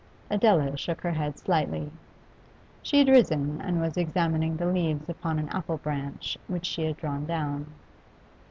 Adela shook her head slightly. She had risen and was examining the leaves upon an apple branch which she had drawn down.